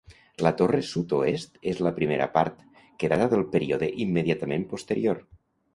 La torre sud-oest és la primera part, que data del període immediatament posterior.